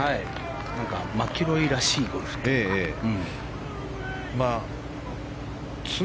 マキロイらしいゴルフというか。